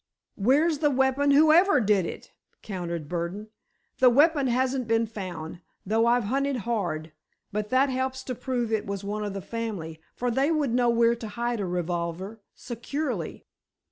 "Where's the weapon, whoever did it?" countered Burdon. "The weapon hasn't been found, though I've hunted hard. But that helps to prove it one of the family, for they would know where to hide a revolver securely."